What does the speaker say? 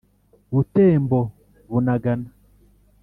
Butembo -Bunagana